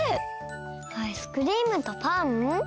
アイスクリームとパン？